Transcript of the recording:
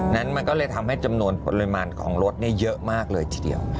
นั้นมันก็เลยทำให้จำนวนปริมาณของรถเยอะมากเลยทีเดียว